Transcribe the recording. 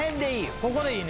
ここでいい？